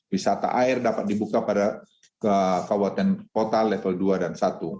wisata air dapat dibuka pada kabupaten kota level dua dan satu